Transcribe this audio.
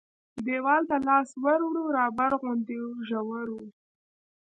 دیوال ته لاس ور ووړ رابر غوندې و ژور و.